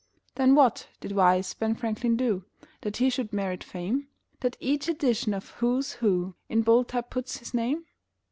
Then what did wise Ben Franklin do That he should merit fame? That each edition of "Who's Who" In bold type puts his name?